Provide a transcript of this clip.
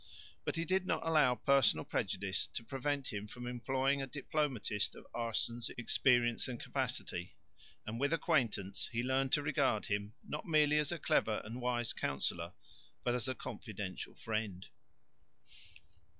But he did not allow personal prejudice to prevent him from employing a diplomatist of Aerssens' experience and capacity, and, with acquaintance, he learned to regard him, not merely as a clever and wise councillor, but as a confidential friend.